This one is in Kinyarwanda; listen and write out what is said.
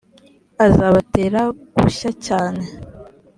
azabatera gushya cyane